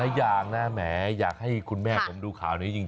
อย่างนะแหมอยากให้คุณแม่ผมดูข่าวนี้จริง